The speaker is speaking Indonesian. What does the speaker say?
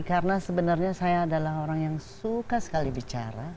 karena sebenarnya saya adalah orang yang suka sekali bicara